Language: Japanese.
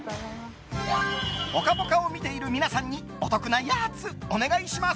「ぽかぽか」を見ている皆さんにお得なやつお願いします。